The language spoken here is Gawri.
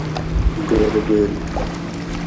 بیربل